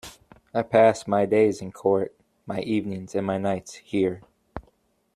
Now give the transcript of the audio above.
I pass my days in court, my evenings and my nights here.